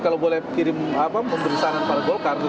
kalau boleh kirim pemberi saran kepada golkar